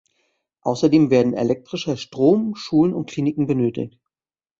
Außerdem werden elektrischer Strom, Schulen und Kliniken benötigt.